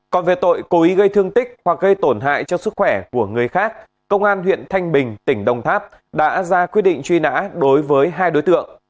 còn về tội cố ý gây thương tích hoặc gây tổn hại cho sức khỏe của người khác công an huyện thanh bình tỉnh đồng tháp đã ra quyết định truy nã đối với hai đối tượng